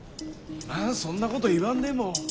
今そんなこと言わんでも。